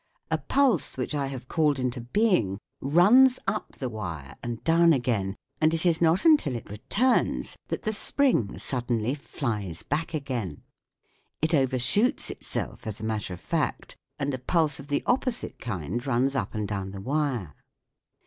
A pulse which I have called into being runs up the wire and down again, and it is not until it returns that the spring suddenly flies back again. It overshoots itself, as a matter of fact, and a pulse of the opposite kind runs up and down the wire.